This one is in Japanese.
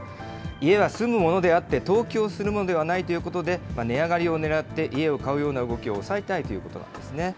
家は住むものであって、投機をするものではないということで、値上がりをねらって、家を買うような動きを抑えたいということなんですね。